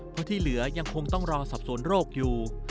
เพราะที่เหลือยังคงต้องรอสอบสวนโรคอยู่